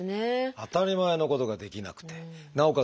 当たり前のことができなくてなおかつ